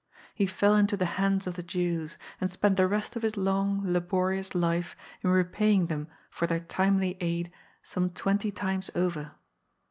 He fell into the hands of the Jews, and spent the rest of his long, laborious life in repaying them for their timely aid some twenty times over.